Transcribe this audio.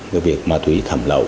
việc ma túy thẩm lậu